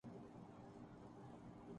جی جی۔